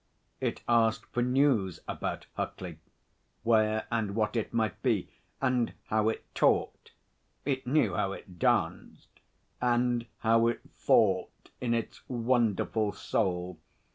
It asked for news about Huckley where and what it might be, and how it talked it knew how it danced and how it thought in its wonderful soul.